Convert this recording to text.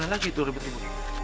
mulai lagi tuh ribet ribut